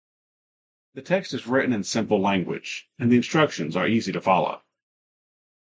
The text is written in simple language, and the instructions are easy to follow.